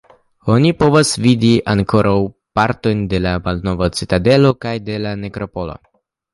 Oni povas vidi ankoraŭ partojn de la malnova citadelo kaj de la nekropolo.